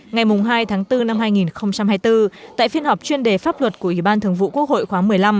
ngày hai tháng bốn năm hai nghìn hai mươi bốn tại phiên họp chuyên đề pháp luật của ủy ban thường vụ quốc hội khóa một mươi năm